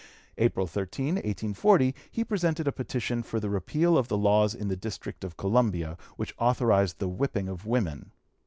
April 13, 1840, he presented a petition for the repeal of the laws in the District of Columbia, which authorized the whipping of women.